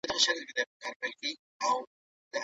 بریا یوازي د هغو کسانو ملګرې ده چي ډېر کار کوي.